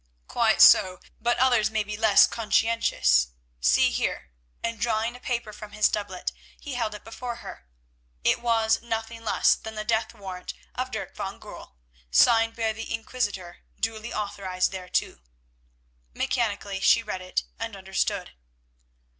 "Quite so, but others may be less conscientious. See here," and drawing a paper from his doublet, he held it before her. It was nothing less than the death warrant of Dirk van Goorl, signed by the Inquisitor, duly authorised thereto. Mechanically she read it and understood.